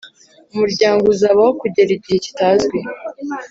Umuryango uzabaho kugera igihe kitazwi